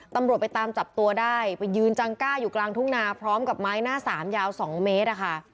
ตำรวจไปตามจับตัวได้ไปยืนจังก้าอยู่กลางทุ่งนาพร้อมกับไม้หน้าสามยาว๒เมตรอะค่ะ